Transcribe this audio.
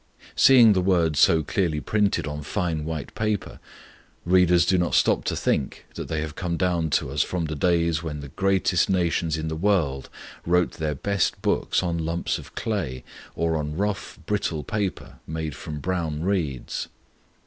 Seeing the words so clearly printed on fine white paper, readers do not stop to think that they have come down to us from the days when the greatest nations in the world wrote their best books on lumps of clay, or on rough, brittle paper made from brown reeds.